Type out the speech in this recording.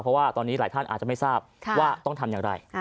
เพราะว่าตอนนี้หลายท่านอาจจะไม่ทราบว่าต้องทำอย่างไร